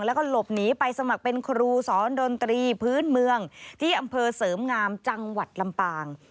แล้วก็หลบหนีไปสมัครเป็นครูสอนดนตรีพื้นเมืองที่อำเภอเสริมงามจังหวัดลำปาง